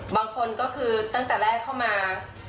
บางคนก็คือตั้งแต่แรกเข้ามา